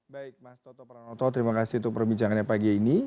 baik mas toto pranoto terima kasih untuk perbincangannya pagi ini